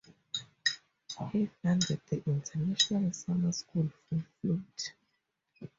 He founded the International Summer School for flute.